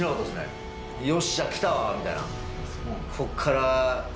よっしゃきたわ！みたいな。